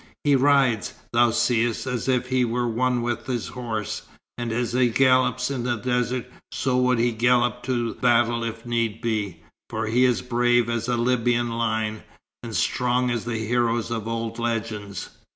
He rides, thou seest, as if he were one with his horse, and as he gallops in the desert, so would he gallop to battle if need be, for he is brave as the Libyan lion, and strong as the heroes of old legends.